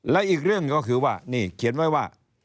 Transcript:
และอีกเรื่องก็คือว่านี่เขียนไว้ว่า